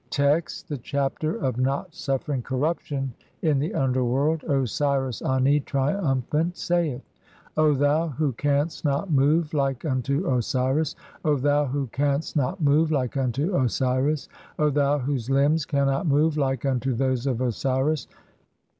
Text : (1) The Chapter of not suffering corruption IN THE UNDERWORLD. Osiris Ani, triumphant, saith :— "O thou who canst not move, like unto Osiris ; O thou who "canst not move, like unto Osiris! (2) O thou whose limbs cannot "move, like unto [those of] Osiris!